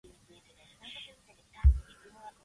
Today they give financial help to Bloxham residents.